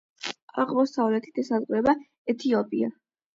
აღმოსავლეთით ესაზღვრება ეთიოპია.